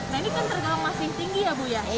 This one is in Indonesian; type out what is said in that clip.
nah ini kan tergabung masih tinggi ya bu ya